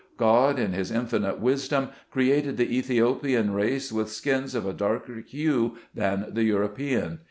God, in His infinite wisdom, created the Ethiopian race with skins of a darker hue than the European.